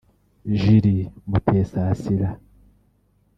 Julie Mutesasira